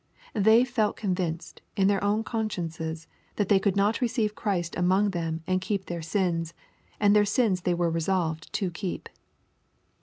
They felt convinced, in their own consciences, that they could not receive Christ among them and keep their sins, and their sins they were resolved to keep.